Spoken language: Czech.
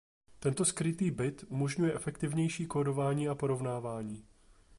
Tento "skrytý bit" umožňuje efektivnější kódování a porovnávání.